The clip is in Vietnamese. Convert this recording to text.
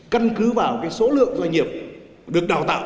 căn cứ vào số lượng doanh nghiệp được đào tạo